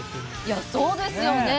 いやそうですよね。